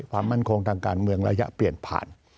ความมั่นคงทางการเมืองระยะเปลี่ยนผ่าน